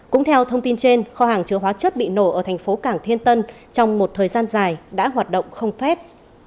cũng theo thông tin trên kho hàng chứa hóa chất bị nổ ở thành phố cảng thiên tân trong một thời gian dài đã hoạt động không phép